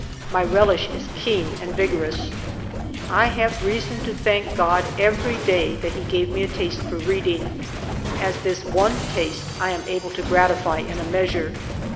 My relish is keen and vigorous. I have reason to thank God every day that he gave me a taste for reading, as this one taste J am able to gratify in a measure.